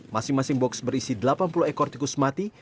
masing masing box berisi delapan puluh ekor tikus mati